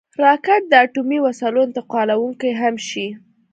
راکټ د اټومي وسلو انتقالونکی هم شي